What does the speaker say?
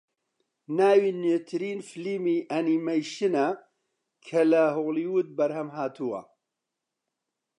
ناوی نوێترین فیلمی ئەنیمەیشنە کە لە هۆلیوود بەرهەمهاتووە